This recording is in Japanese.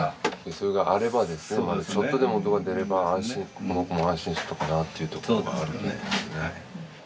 それがあればちょっとでも音が出ればこの子も安心するのかなというところがあるんですけどね。